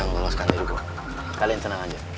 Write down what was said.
ngelewaskan diri gue kalian tenang aja